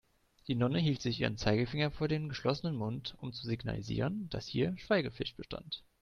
Die Nonne hielt sich ihren Zeigefinger vor den geschlossenen Mund, um zu signalisieren, dass hier Schweigepflicht bestand.